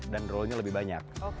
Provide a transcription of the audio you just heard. dan roll nya lebih banyak